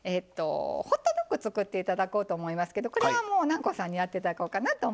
ホットドッグ作って頂こうと思いますけどこれはもう南光さんにやって頂こうかなと思います。